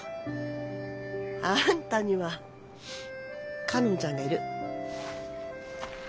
あんたには花音ちゃんがいる。